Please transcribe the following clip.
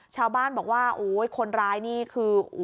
ชาวบ้านบอกว่าโอ๊ยคนร้ายนี่คือ